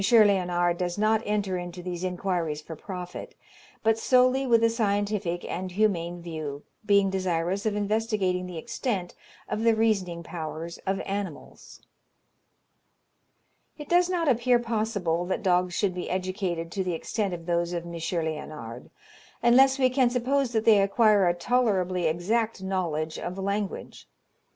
Léonard does not enter into these inquiries for profit, but solely with a scientific and humane view, being desirous of investigating the extent of the reasoning powers of animals. It does not appear possible that dogs should be educated to the extent of those of M. Léonard, unless we can suppose that they acquire a tolerably exact knowledge of language.